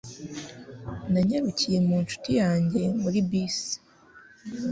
Nanyarukiye mu nshuti yanjye muri bisi.